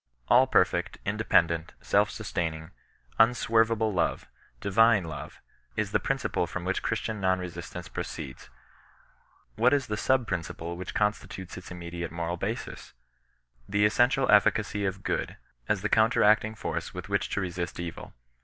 All perfect, independent, self sustaining, unswervable love— siTiNS LOTS —\& the principle from which Cfaxis CHBISTIAN N0N BESI8TAN0E. 19 iion non resistance proceeds. What is the sub principle which constitutes its immediate moral basis ? The essen tial efficacy of good, as the counteracting force with which to resist evil.